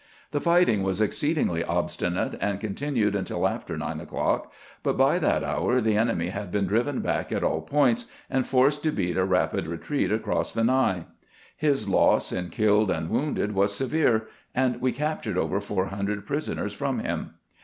The fighting was exceedingly obstinate, and continued until after nine o'clock ; but by that hour the enemy had been driven back at all points, and forced to beat a rapid retreat across the Ny. His loss in killed and wounded was severe, and we captured over four hundred prison ers from him.